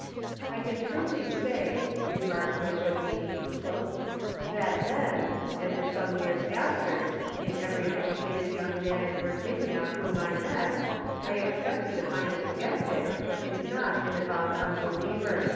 " I can truly sav," remarks Bishop Meade, "that then, In the Colleges /,...^,, and lor some years atter, in every educated young man in Virginia whom I met I expected to find a sceptic, if not an avowed unbeliever."